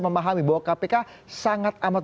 memahami bahwa kpk sangat amat